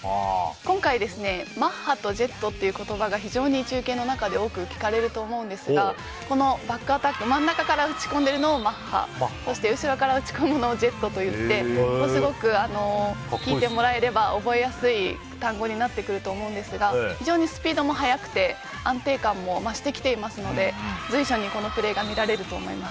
今回、マッハとジェットという言葉が非常に中継の中で聞かれると思うんですがこのバックアタック、真ん中から打ち込んでいるのをマッハそして後ろから打ち込むのをジェットと呼んですごく聞いてもらえれば覚えやすい単語になってくると思うんですが非常にスピードも速くて安定感も増してきていますので随所にこのプレーが見られると思います。